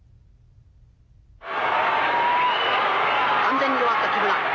完全に弱った木村。